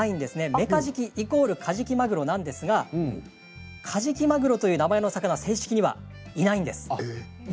メカジキイコールカジキマグロなんですがカジキマグロという名前の魚は正式にはいないんです。